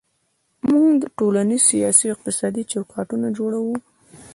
موږ ټولنیز، سیاسي او اقتصادي چوکاټونه جوړوو.